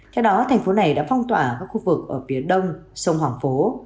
theo đó thành phố này đã phong tỏa các khu vực ở phía đông sông hoàng phố